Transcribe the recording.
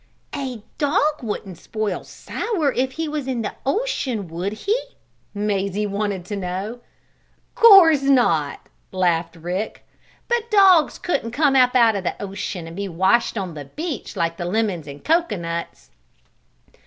"A dog wouldn't spoil sour if he was in the ocean; would he?" Mazie wanted to know. "Course not!" laughed Rick. "But dogs couldn't come up out the ocean, and be washed on the beach like the lemons and cocoanuts."